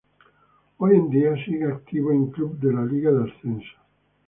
Hoy en día sigue activo en clubes de la Liga de Ascenso.